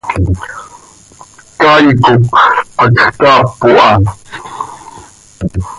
Caay cop hacx caap oo ha.